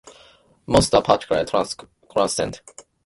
Most are partially translucent.